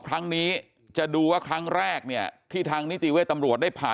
ครั้งนี้จะดูว่าครั้งแรกเนี่ยที่ทางนิติเวทย์ตำรวจได้ผ่าน